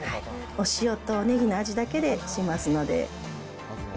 お塩とおネギの味だけでしますので。